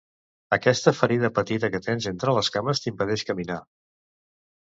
Aquesta ferida petita que tens entre les cames t'impedeix caminar.